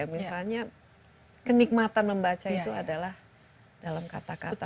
misalnya kenikmatan membaca itu adalah dalam kata kata